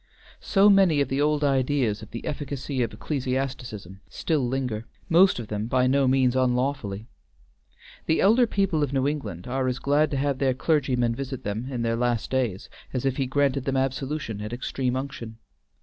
So many of the old ideas of the efficacy of ecclesiasticism still linger, most of them by no means unlawfully. The elder people of New England are as glad to have their clergyman visit them in their last days as if he granted them absolution and extreme unction.